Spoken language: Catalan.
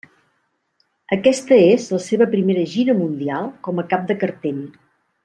Aquesta és la seva primera gira mundial com a cap de cartell.